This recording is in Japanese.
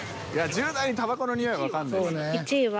１０代にタバコのにおいわかんない。